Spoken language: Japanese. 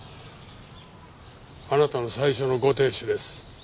あなたの最初のご亭主です。